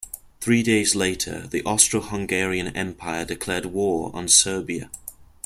Three days later the Austro-Hungarian Empire declared war on Serbia.